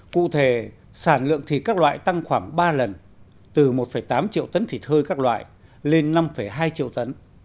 cụ thể sản lượng thịt các loại tăng khoảng ba lần từ một tám triệu tấn thịt hơi các loại lên năm hai triệu tấn